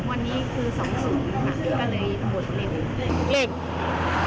วันนี้คือ๒๐ค่ะก็เลยหมดเลข